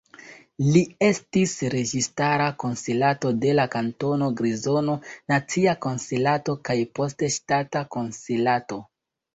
Li estis registara konsilanto de la Kantono Grizono, nacia konsilanto kaj poste ŝtata konsilanto.